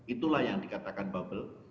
itulah yang dikatakan babel